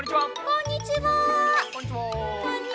こんにちは。